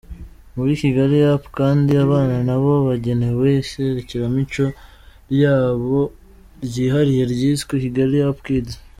Muri KigaliUp! kandi abana nabo bagenewe iserukiramuco ryabo ryihariye ryiswe KigaliUp! Kids.